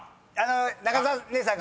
中澤姉さんが。